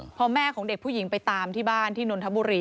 พอแม่ของเด็กผู้หญิงไปตามที่บ้านที่นนทบุรี